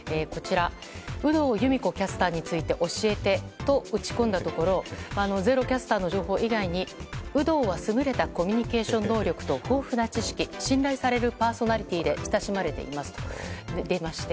有働由美子キャスターについて教えてと打ち込んだところｚｅｒｏキャスターの情報以外に有働は優れたコミュニケーション能力と豊富な知識信頼されるパーソナリティーで親しまれていますと出まして。